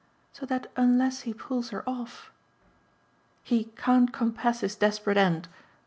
"So that unless he pulls her off " "He can't compass his desperate end?